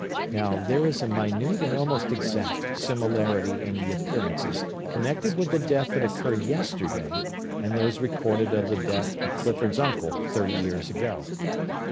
Now, there is a minute and almost exact similarity in the appearances connected with the death that occurred yesterday and those recorded of the death of Clifford's uncle thirty years ago.